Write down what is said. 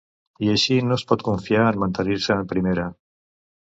I així no es pot confiar en mantenir-se en Primera.